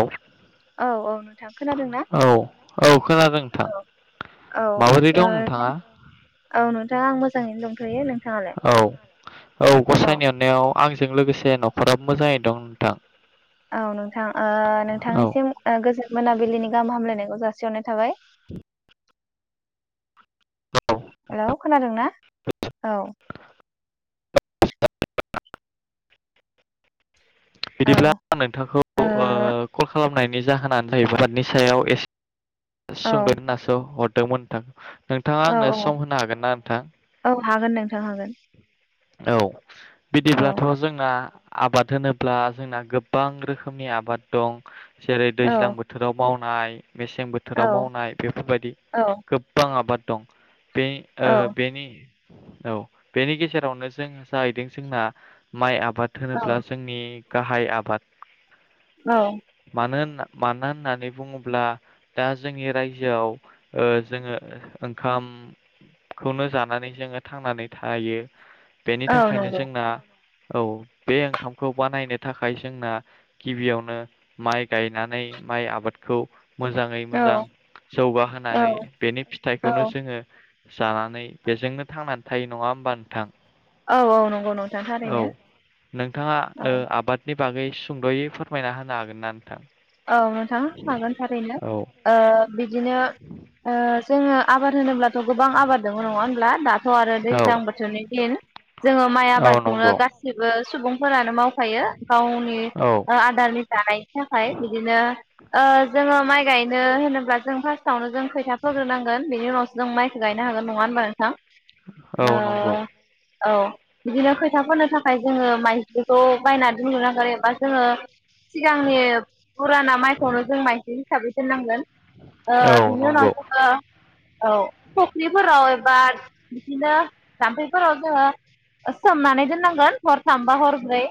औ औ औ नोंथां खोनादोंना? औ खोनादों नोंथां औ ओ माबोरै दं नोंथाङा औ नोंथां दा आं मोज औ औ गसाइनि अननायाव आं जों लोगोसे नखराबो मोजाङै दं नोंथां। औ नोंथां ओ औ नोंथांनिसिम ओ गोजोनाय मोनाबिलिनि गाहाम हामलायनायखौ जासिहरनाय थाबाय। हेलौ खोनादोंना? औ औ बिदिब्ला ओ आं नोंथांखौ ओ कल खालामनायनि नि जाहोनानो नै बेफोर बादिनि सायाव एसे [inaudible] औ दोंमोन नोंथां। नोंथाङा औ आंनो औ सम होनो हागोन ना नोंथां? औ हागोन नोंथ नोंथां हागोन औ औ बिदिब्लाथ जोंना आबाद होनोब्ला जोंना गोबां रोखोमनि आबाद दं‌। जेरै औ दैज्लां बोथोराव माव माइ मेसें बोथोराव मावनाय बेफोरबायदि औ गोबबां आबाद दं। बे ओ औ बेनि औ बेनि गेजेरावनो जों जाहैदों जोंना माइ आब बाद होनोब्ला औ जोंनि गाहाय आबाद औ मानो होन मानो होननानै बुङोब्ला दा जोंनि रायजोआव ओ जोङो ओंखामखौनो जानानै जोङो थांनानै थायो। बेनि औ थाखायनो नंगौ जोंना औ बे ओंखामखौ बानायनो थाखाय जोंना गिबियावनो माइ गायनानै माइ आबादखौ मोजाङै औ मोजां औ जौगाहोनानै बेनि औ फिथाइखौनो जोङो जानानै बेजोंनो थांनानै थायो नङा होमबा नोंथां? औ औ नंगौ नोंथां औ थारैनो नोंथाङा औ। ओ आबादनि बागै सुंद'यै फोरमायना होनो हागोन ना नोंथां? औ नोंथां हागोन थारैनो औ ओ बिदिनो ओ जोङो आबाद होनोब्ला गोबां आबाद दङ नङा होमब्ला दाथ' आरो औ दैज्लां बोथोरनि दिन जोङो माइ औ आबादखौनो नंगौ गासिबो सुबुं फोरानो माव फायो गावनि औ आदारनि जानायनि थाखाय। ओ ओ जोङो माइ गायनो होनोब्ला जों फार्स्टआवनो जों खोथिया फोग्रोनांगोन बेनि उनावसो जों माइखौ गायनो हागोन नङा होमबा नोंथां? औ ओ नंगौ औ बिदिनो खैथा फोनो थाखाय जोङो माइज्लिखौ बायना दोननो नांगोन एबा जोङो सिगांनि फुराना माइखौनो जों माइज्लि हिसाबै दोननांगोन। ओ औ बेनि उनाव नंगौ जोङो अ' फख्रिफोराव बा बिदिनो जाम्फैफोराव जोङो ओस सोमनानै दोननांगोन हरथामबा हरब्रै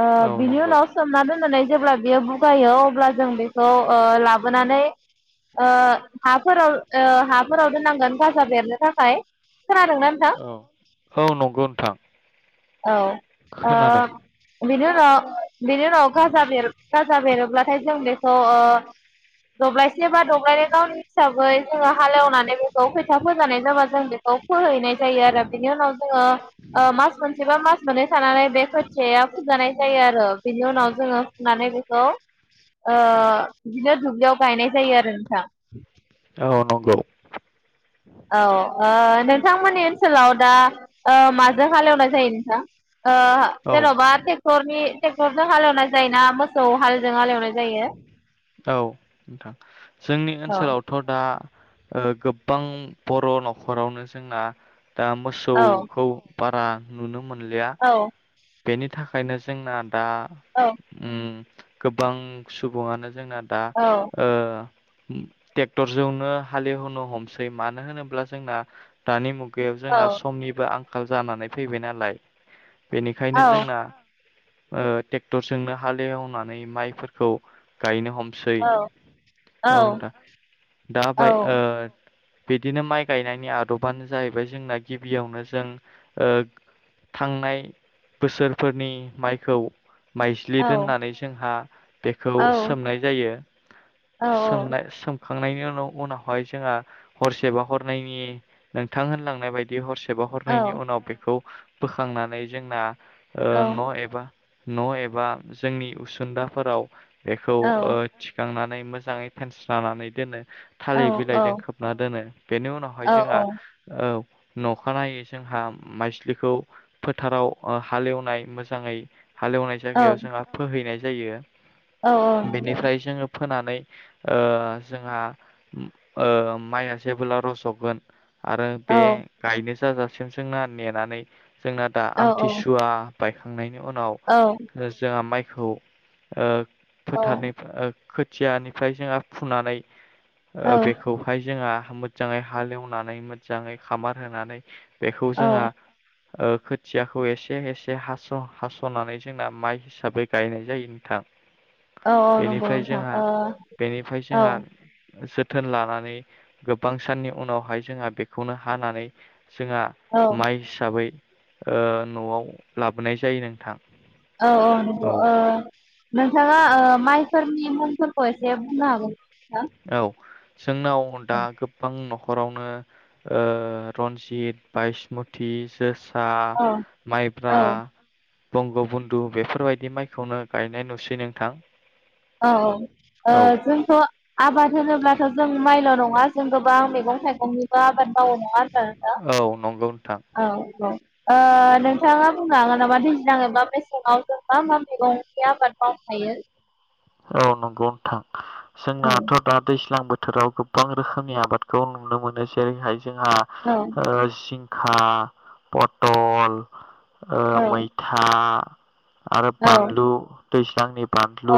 ओ औ बिनि नंगौ उनाव सोमना दोननानै जेब्ला बेयो बु गायो अब्ला जों बेखौ ओ लाबोनानै ओ हाफोराव ओ हाफोराव दोननांगोन गाजा बेरनो थाखाय खोनादोंना नोंथां औ औ नंगौ नोंथां। औ खोनादों ओ बेनो [inaudible] बिनि उनाव गाजा बेर गा बेरोब्लाथाय जों बेखौ ओ दब्लायसे बा दब्लायनाय गावनि हिसाबै जोंङो हालेवनानै ऐ बेखौ खोथिया फोजानाय जाबा जों बेखौ फोहैनाय जायो आरो बिनि उनाव ओ जोंङो ओ मास मोनसे बा मास माने थानानै बे खोथिया फुजानाय जायो आरो। बिनि उनाव जोंङो फुनानै बे खौ ओ बिदिनो दुब्लियाव गायनाय जायो आरो नोंथां। औ नंगौ। औ ओ नोंथांमोननि ओनसोलाव दा ओ माजों हालेवनाय जायो नोंथां? ओ औ जेनबा टेक्टरनि टेक्टर जों हालोव ना जाययोना मोसौ हाल जों आलोवनाय औ नोथां जोंनि औ ओनसोलावथ दा ओ गोबां बर'नखरावनो जोंना दा औ मोसौखौ बारा नुनो मोन लिया औ बेनि थाखायनो जोंना दा औ उम गोबां सुबुंङानो जोंना दा ओ ट्रेक्टर जौनो हालेवनो हमसै मानो होनोब्ला जोंना दानि मुग गैयाव औ जोंना समनिबो आं खाल जानानै फैबाय नालाय बेनि खायनो औ जोंना ओ टेक्टरजोंनो हालेवनानै माइफोरखौ गायनो हम सै औ औ नोंथां दा औ बाय ओ बिदिनो माइ गायनायनि आदबानो जाहैबाय जोंना गिबियावनो जों ओ थांनाय बोसोरफोरनि माइखौ औ माइज्लि दोननानै जोंहा बेखौ सोमनाय जायो औ सोमनाय सोम खांनायनि उन उनावहाय जोंहा हरसेबा हरनै नि नोंथां होनलांनाय बायदि हरस सेबा हरनैय नि उनाव बेखौ बोखांनानै जोंना ओ औ न एबा न एबा जोंनि उसुंदाफोराव बेखौ औ ओ थिखांनानै मोजाङै फेनस्रानानै दोनो औ थालिर बिलाइजों खोबना दोनो बेनि उनावहाय जोंहा ओब - नखानायै जोंहा माइस्लिखौ फोथाराव हालेवनाय मोजाङै हालेवनाय जायगायाव जोंहा फोहैनाय जायो औ औ बेनिफ्राय जोङो फोनानै ओ जोंहा ओ माइया जेबोला रजगोन आरो बे गायनो जाजासिम जोंना नेनानै जोंना दा आमथिसुवा बायखांनायनि उनाव जोहा माइ खौ ओ फोथारनिफा ओ खो खोथियानिफ्राय जोंहा फुनानै बेखौहाय जोहा मोजाङै हालेवनानै मोजाङै खामार होनानै बेखौ जोङा औ ओ खोथ थियाखौ एसे एसे हासनानै जोंना माइ हिसाबै गायनाय जायो नोंथां औ औ नंगौ बेनिफ्राय नोंथां जोंहा ओ बेनिफ्राय औ जोंहा जोथोन लानानै गोबां साननि उनावहाय जोंहा बेखौनो हानानै जोहा औ माइ हिसाबै ओ नआव लाबोनाय जायो नोंथां औ औ नंगौ ओ नोंथाङा ओ माइफोर [unintelligible] बुंनो हागोन ना औ जोंनाव दा नोंथां? गोबां न'खर हरावनो रन्जित बायसमति जोस जोसा औ माइब्रा औ बंग बन्न्दु बेफोरबायदि माइखौनो गायनाय नुसै नोंथां। औ औ ओ औ जोंथ आबाद होनोब्लाथ जों माइल नङा जों गो बां मैगं थाइगंनिबो आबाद मावो नङा होनबा औ नंगौ नोंथां नोंथा औ औ ओ नोंथाङा बुंनो हागोन मालाबा दैज्लां एबा मेसेङाव जों मा मा मैगंनि आबाद मावनो हायो। औ नंगौ नोंथां। जोंनाथ दा दैज्लांबो बो बोथोराव गोबां रोखोमनि आबादखौ नुनो मोनो जेरैहाय जोंहा औ ओ जिंखा पटल ओ औ मैथा आरो बानलु दैज्लांनि बानलु औ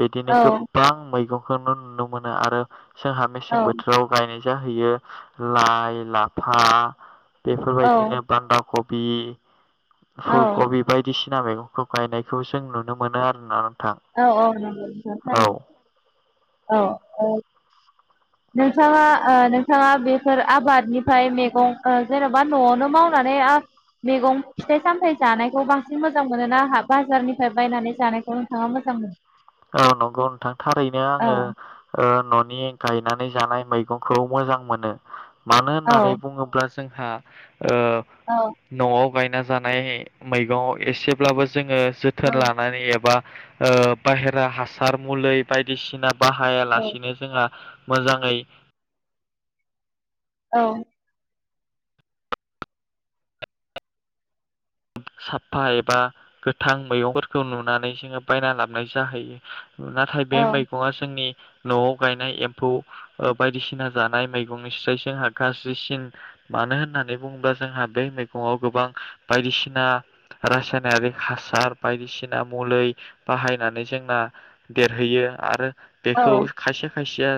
बेदिनो गोबां मैगंखौनो नुनो मोनो आरो जोंहा मेसें औ बोथोराव गायनाय जाहैयो लाइ लाफा बेफोरबायदिनो बान्दा खब बि औ फुलकबि बायदि सिना मैगंखौ गायनायखौ जों नुनो मोनो आरोना। नोंथां औ नंगौथ औ थारैनो औ औ नोंथाङा नोंथाङा बेफोर आबादनिफ्राय मैगं जेनबा न'आवनो मावनानै मैगं फिथाइ सामथायाइ जानायखौ बांसिन मोजां मोनो ना बाजारनिफ्राय बायनानै जानायखौ नोंथाङा मोजां मोनो औ नंगौ नोंथां थारैनो औ आङो ओ न'नि गायनानै जानाय मैगंखौ मोजां मोनो। मानो औ होननानै बुंङोब्ला जोंहा ओ औ न'आव बायना जानाय मैगं एसेब्लाबो जोंङो औ जोथोन लानानै एबा ओ बाहेरा हासार मुलै बायदिसिना बाहायालासिनो जोंहा मोजांङै औ साफफा एबा गोथां मैगंफोरखौ नुनानै जोंङो बायना लाबनाय जाहैयो। उ नाथाय बे मैगं जोंनि न'आव गायनाय एम्फौ ओ बायदिसिना जानाय मैगंनि स्राय जोंहा गाज्रिसिन मानो होननानै बुंङोबा जोंहा बे मैगंआव गोबां बायदिसिन ना रासायनारिक हासार बायदिसिना मुलै बाहायनानै जोंना देरहैयो। आरो औ बेखौ खायसे खायसेया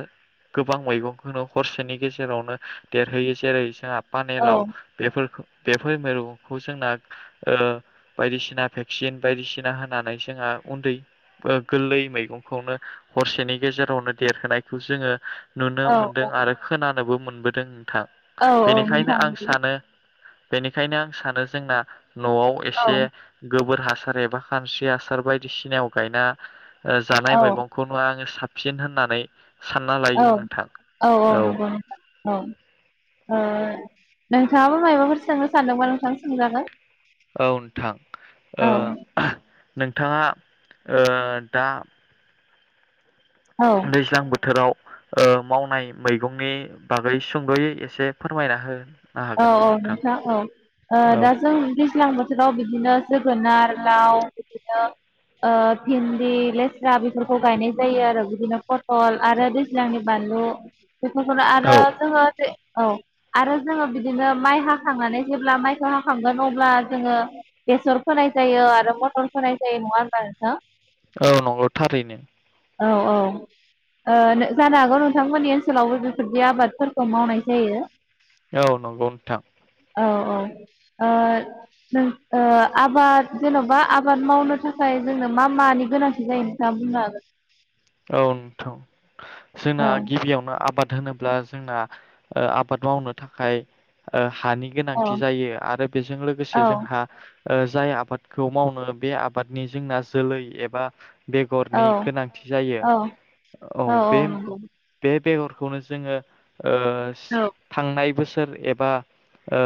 गोबां मैगंखौनो हरसेनि गेजेरावनो देरहोयो जेरै जोंहा फानेलाव औ बेफोरखौ बेफोर मिरुखौ जोंना ओ बायदिसिना भेक्सिन बायदिसिना होनानै जोंहा ओ उन्दै गोरलै मैगंखौनो हरसेनि गेजेरावनो देरहोनायखौ जोंङो नुनो औ मोनदों आरो खोना नोबो मोनबोदों। थां औ औ बेनिखायनो नोंथां आं नंगौ सानो बेनिखायनो आं सानो जोंना न'आव औ एसे गोबोर हासार एबा खानस्रि हासार बायदिसिनायाव गायना ओ जानाय औ मैगंखौ नुया आंङो साब फिन होननानै सानना औ लायो नोंथां औ औ नंगौ नोथां औ ओ नोंथाङाबो मायबाफोर सोंनो सानदोंबा नोंथां सोंजागोन। औ नोथां ओ औ नोंथांङा ओ दा औ दैज्लां बोथोराव ओ मावनाय मैगंनि बागै सुंदयै एसे फोरमायना हो औ औ नोंथां औ ओ औ दा जों दैज्लां बोथोराव बि बिदिनो जोगोनार लाव बिदिनो ओ भिन्दि लेस्रा बेफोरखौ गायनाय जायो आरो बिदिनो फल आरो दैज्लांनि बानलु बेफोरखौनो औ आरो जोङो जे औ आरो जोङो बिदिनो माइ हाखांनानै जेब्ला माइखौ हाखांगोन अब्ला जोङो बेसर फोनाय जायो आरो मटर फोनाय जायो नङा होनबब्ला नोंथां। औ नंगौ थारैनो औ औ ओ जानो हागौ नोंथांमोननि ओनसोलावबो बेफोरदि आबादफोरखौ मावनाय जायो। औ नंगौ नोंथां औ ओ नों ओ आबाद जेनबा आबाद मावनो थाखाय जोंनो मा मानि गोनांथि जायो नोंथाङा बुंनो हागोन औ नोंथां जोंना हागोन गिबियावनो आबाद होनोब्ला जोंना ओ आबाद मावनो थाखाय ओ हानि औ गोनांथि जायो आरो बेजों लोगोसे औ जोंहा ओ जाय आबादखौ मावनो बे आबादनि जोंना जोलै एबा औ बेगरनि गोनांथि जायो औ बे-बे बेगरखौनो जोङो ओ औ थांनाय बोस सोर एबा ओ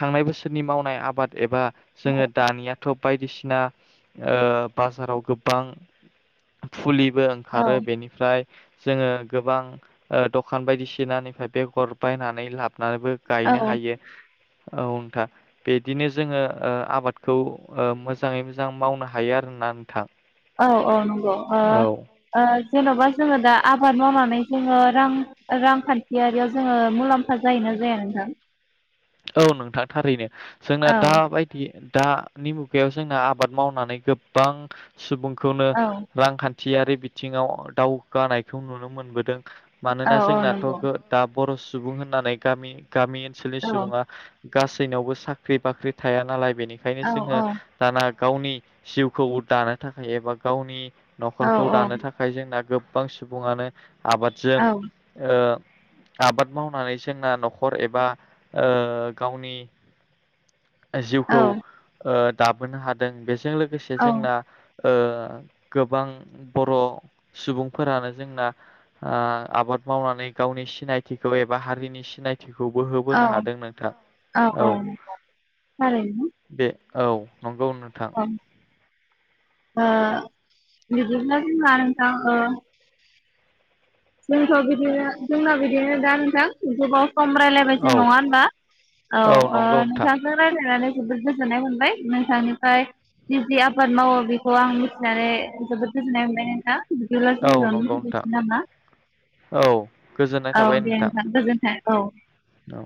थांनाय बोसोरनि मावनाय आबाद एबा जोङो दानिया थ बायदिसिना ओ बाजाराव गोबां फुलि बो औ ओंखारो बेनिफ्राय जोङो गोबां ओ दखान बायदिसिनानिफाय बेगर बायनानै लाब नाबो औ गायनो हायो। औ नोंथां बिदिनो जोङो ओ आबादखौ ओ मोजाङै मोजां मावनो हायो आरोना नोंथां। औ औ नं ओ औ ओ जेनबा जोङो दा आबाद मावनानै जोङो रां रांखान बियारियाव जोङो मुलामफा जायोना जा जाया नोंथां औ नोंथां थारैनो। जोंना औ दाबायदि दानि मुगायाव जोंना आबाद मावनानै गोबां सुबुं खौनो औ रांखान्थ थियारि बिथिङाव दावगानायखौ नुनो मोनबोदों। औ मानोना औ जोंनाथ नंगौ गो-दाब बर' सुबुं होननानै गामि गामि ओनसोलनि औ सुबुंङा गासैनावबो साख्रि बाख्रि थाया नालाय बेनिखायनो औ जोंङो औ दाना गावनि जिउखौ दानो थाखाय एबा गावनि औ नखरखौ दानो थाखाय जोंना गोब बां सुबुंङानो आबादजों औ ओ आबाद मावनानै जोंना नखर एबा ओ गावनि औ जिउखौ ओ दाबोनो हादों बे जों लोगोसे जोंना ओ गोबां बर'सुबुंफोरानो जोंना ओ आबाद मावनानै गावनि सिनायथिखौ एबा हारिनि सिनाय खौबो औ होबोनो हाद औ औ थारैनो बे औ नंगौ नोथां। आ बिदिब्ला जोनहान थां हो जोंथ बिदिनो जोंना बिदिनो दा नोंथां गोबाव सम रायज्लायबाय जों औ नंङा होमबा? औ ओ नंगौ नोंथां नोंथांजों रायलायनानै जोबोद गोजोननाय मोनबाय नोंथांनिफ्राय जि जि आबाद मावो बेखौ आं मिथिनानै जोबोद गोजोननाय मोनबाय नोंथां। बिदिब्ला औ जोंङो नंगौ नोंथां दोसै नामा? औ गोजोननाय थाबाय नोंथां। हे औ औ